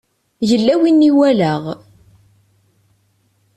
Yella win i walaɣ.